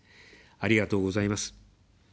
ありがとうございます。